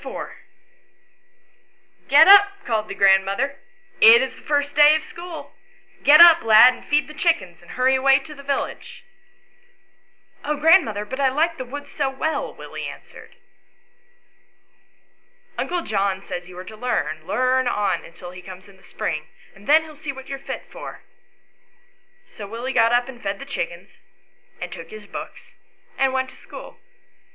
IV. " GET up," called the grandmother ;" it is the first day of school ; get up, lad, and feed the chickens, and hurry away to the village." " Oh, grandmother, but I like the woods so well," Willie answered. XT.] THE STORY OF WILLIE AND FANCY. 123 " Uncle John says you are to learn, learn on until he comes in the spring, and then he will see what you are fit for." So Willie got up and fed the chickens, and took his books and went to school.